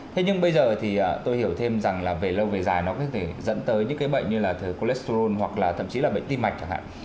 thế nhưng bây giờ thì tôi hiểu thêm rằng là về lâu về dài nó có thể dẫn tới những cái bệnh như là thừa cholestrol hoặc là thậm chí là bệnh tim mạch chẳng hạn